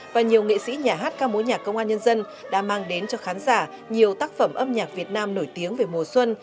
và nhiều nghệ sĩ nhà hát ca mối nhạc công an nhân dân đã mang đến cho khán giả nhiều tác phẩm âm nhạc việt nam nổi tiếng về mùa xuân